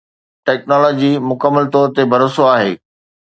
technology مڪمل طور تي ڀروسو آهي